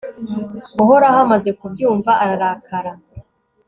uhoraho amaze kubyumva ararakara